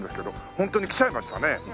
ホントに来ちゃいましたね。